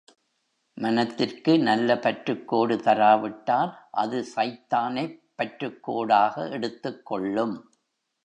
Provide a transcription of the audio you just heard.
மனத்திற்கு நல்ல பற்றுக் கோடு தராவிட்டால் அது சைத்தானைப் பற்றுக்கோடாக எடுத்துக் கொள்ளும்.